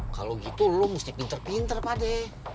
kalau gitu lo mesti pinter pinter pade